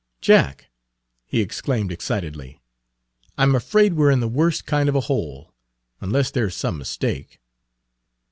"Jack," he exclaimed excitedly, "I 'm afraid we're in the worst kind of a hole, unless there 's some mistake!